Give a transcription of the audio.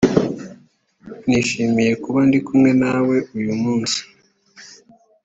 nishimiye kuba ndi kumwe nawe uyu munsi